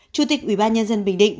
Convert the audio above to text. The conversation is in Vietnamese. chủ tịch ubnd bình định